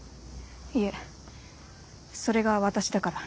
いえそれが私だから。